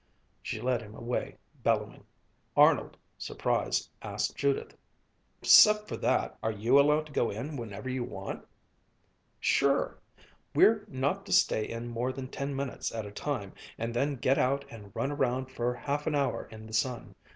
She led him away bellowing. Arnold, surprised, asked Judith, "'Cept for that, are you allowed to go in whenever you want?" "Sure! We're not to stay in more than ten minutes at a time, and then get out and run around for half an hour in the sun.